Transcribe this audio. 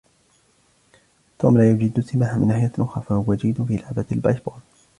توم لا يجيد السباحة، من ناحية أخرى، فهو جيد في لعبة البيسبول.